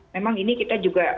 memang ini kita juga